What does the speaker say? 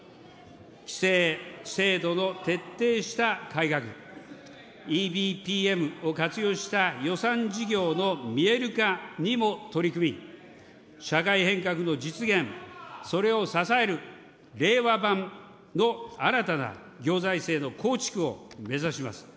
規制・制度の徹底した改革、ＥＢＰＭを活用した予算事業の見える化にも取り組み、社会変革の実現、それを支える令和版の新たな行財政の構築を目指します。